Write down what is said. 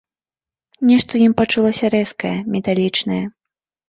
Нешта ў ім пачулася рэзкае, металічнае.